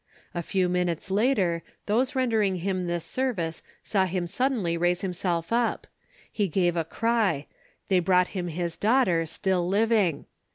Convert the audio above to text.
A few minutes later, those rendering him this service saw him suddenly raise himself up he gave a cry they brought him his daughter, still living.